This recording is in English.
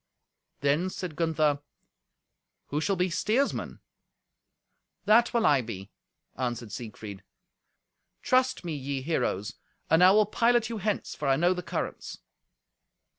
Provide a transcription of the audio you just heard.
Then said Gunther, "Who shall be steersman?" "That will I be," answered Siegfried. "Trust me, ye heroes, and I will pilot you hence, for I know the currents."